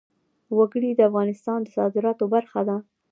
وګړي د افغانستان د صادراتو برخه ده.